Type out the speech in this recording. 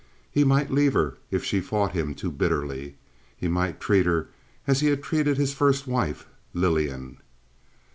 He might leave her if she fought him too bitterly. He might treat her as he had treated his first wife, Lillian.